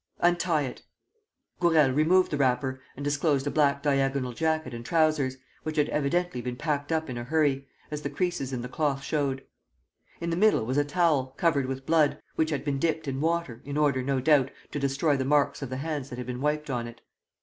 ..." "Untie it." Gourel removed the wrapper and disclosed a black diagonal jacket and trousers, which had evidently been packed up in a hurry, as the creases in the cloth showed. In the middle was a towel, covered with blood, which had been dipped in water, in order, no doubt, to destroy the marks of the hands that had been wiped on it.